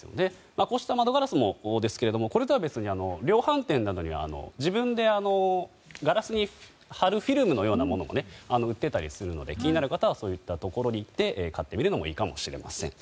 こうした窓ガラスもですけどこれとは別に量販店などに自分でガラスに貼るフィルムのようなものが売っていたりするので気になる方はそういったところに行って買ってみるのもいいかもしれません。